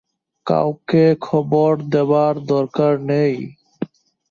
কাউকে খবর দেবার দরকার নেই।